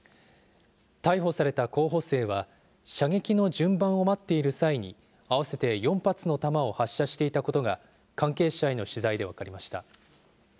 逮捕された候補生は、射撃の順番を待っている際に、合わせて４発の弾を発射していたことが、関係者への取材で分かりました。